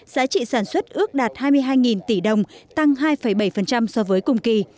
sản xuất ước đạt hai mươi hai tỷ đồng tăng hai bảy so với cùng kỳ